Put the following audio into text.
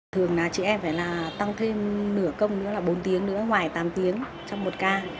thường là chị em phải là tăng thêm nửa công nữa là bốn tiếng nữa ngoài tám tiếng trong một ca